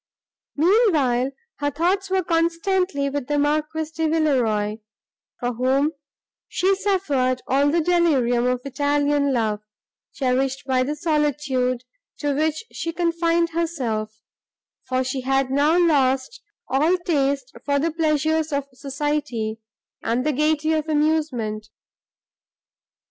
Meanwhile, her thoughts were constantly with the Marquis de Villeroi, for whom she suffered all the delirium of Italian love, cherished by the solitude, to which she confined herself; for she had now lost all taste for the pleasures of society and the gaiety of amusement.